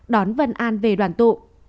đón vân an về đoàn tụ